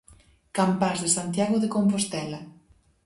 Campás de Santiago de Compostela.